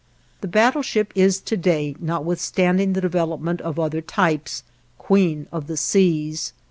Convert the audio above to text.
The battleship is to day, notwithstanding the development of other types, queen of the seas.